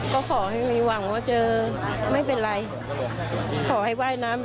ขอให้ว่ายน้ำไปกึ้งบ้านคนอื่น